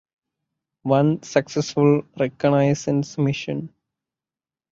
One successful reconnaissance mission.